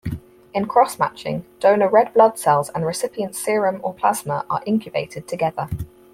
In cross-matching, donor red blood cells and recipient's serum or plasma are incubated together.